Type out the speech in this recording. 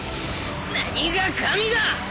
何が神だ！